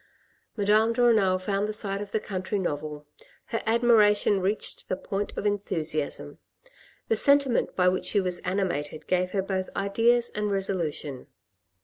Madame de Renal found the sight of the country novel : her admiration reached the point of enthusiasm. The sentiment by which she was animated gave her both ideas and resolution.